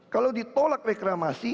kalau ditolak reklamasi